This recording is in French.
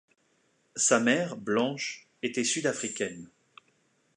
Sa mère, Blanche, était sud-africaine.